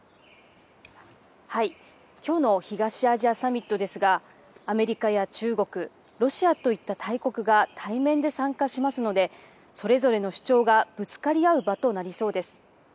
きょうの東アジアサミットですが、アメリカや中国、ロシアといった大国が対面で参加しますので、それぞれの主張がぶつかり合う場となりそうです。